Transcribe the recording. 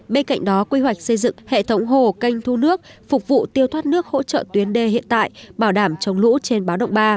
bên cạnh đó quy hoạch xây dựng hệ thống hồ canh thu nước phục vụ tiêu thoát nước hỗ trợ tuyến đê hiện tại bảo đảm chống lũ trên báo động ba